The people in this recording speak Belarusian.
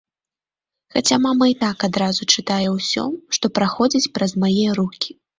Хаця мама і так адразу чытае ўсё, што праходзіць праз мае рукі.